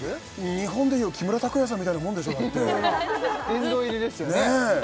日本で言う木村拓哉さんみたいなもんでしょだって殿堂入りですよねねえ！